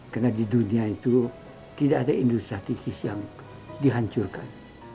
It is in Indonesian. karena di dunia itu tidak ada industri krisis yang dihancurkan